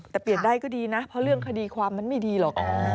แต่เปลี่ยนได้ก็ดีนะเพราะเรื่องคดีความมันไม่ดีหรอก